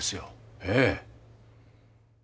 ええ。